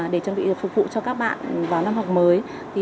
để chuẩn bị phục vụ cho các bạn vào năm học mới